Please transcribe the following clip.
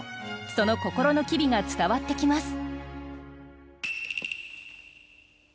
その心の機微が伝わってきます。